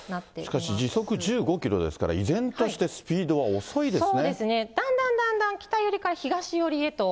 しかし時速１５キロですから、依然としてスピードは遅いですね。